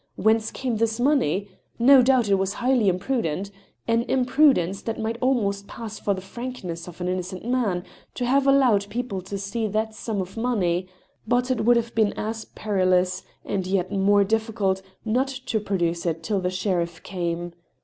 Whence came this money t No doubt it was highly imprudent — ^an imprudence that might almost pass for the frankness of an innocent man — ^to have allowed people to see that sum of money ; but it would have been as perilous, and yet more difficult, not to produce it till the sheriff came.